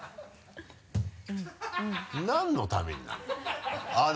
何のためになるの？